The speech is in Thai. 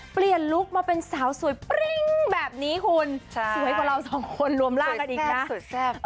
เปลี่ยนลุคมาเป็นสาวสวยปริ้งแบบนี้คุณใช่สวยกว่าเราสองคนรวมร่างกันอีกนะสวยแทบสวยแทบ